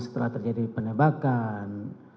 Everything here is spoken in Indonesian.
setelah terjadi penembakan